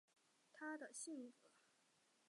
她的性格一般被认为是积极的。